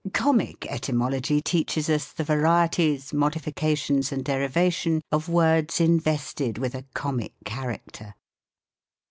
Comic Etymology teaches us the varieties, modifica tions, and derivation, of words invested with a comic character.